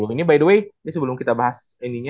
ini by the way ini sebelum kita bahas ininya